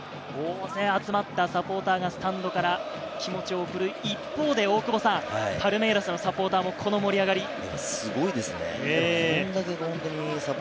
大勢集まったサポーターがスタンドから気持ちを送る一方で、パルメイラスのサポーターもこの盛り上がり。